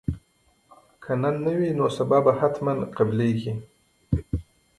که نن نه وي نو سبا به حتما قبلیږي